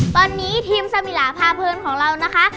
ตอนนี้ทีมสมิลาพาเพลินของเรานะคะ